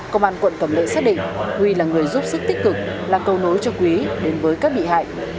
công an quận cẩm lệ xác định huy là người giúp sức tích cực là cầu nối cho quý đến với các bị hại